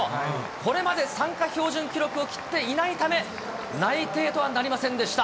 これまで参加標準記録を切っていないため、内定とはなりませんでした。